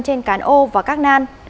trên cán ô và các nan